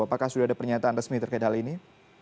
apakah sudah ada pernyataan resmi terkait hal ini